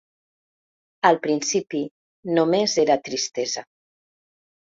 Al principi només era tristesa.